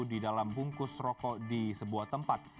di dalam bungkus rokok di sebuah tempat